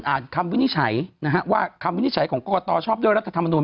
อ่านคำวินิจฉัยว่าคำวินิจฉัยของกรตชอบด้วยรักษาธรรมนุม